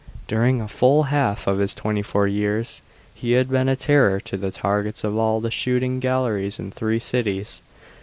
During a full half of his twenty four years he had been a terror to the targets of all the shooting galleries in three cities.